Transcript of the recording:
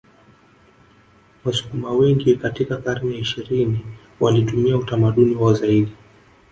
Wasukuma wengi katika karne ya ishirini walitumia utamaduni wao zaidi